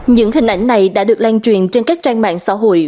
những hình ảnh này đã được lan truyền trên các trang mạng xã hội